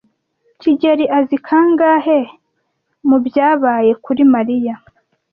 kigeli azi kangahe mubyabaye kuri Mariya?